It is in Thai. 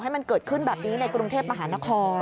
ให้มันเกิดขึ้นแบบนี้ในกรุงเทพมหานคร